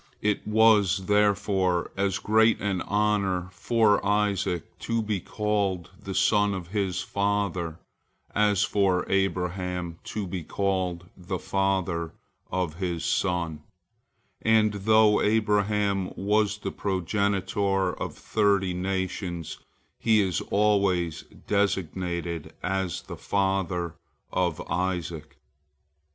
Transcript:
" It was, therefore, as great an honor for Isaac to be called the son of his father as for Abraham to be called the father of his son, and though Abraham was the progenitor of thirty nations, he is always designated as the father of Isaac.